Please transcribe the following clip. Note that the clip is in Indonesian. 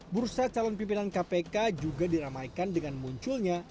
bursa calon pimpinan kpk juga diramaikan dengan munculnya